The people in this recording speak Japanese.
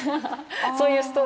そういうストーリーが。